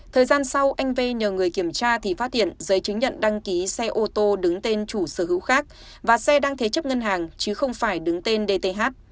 thời gian sau anh v nhờ người kiểm tra thì phát hiện giấy chứng nhận đăng ký xe ô tô đứng tên chủ sở hữu khác và xe đang thế chấp ngân hàng chứ không phải đứng tên dth